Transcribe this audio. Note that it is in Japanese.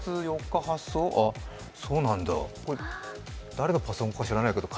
誰のパソコンか知らないけど。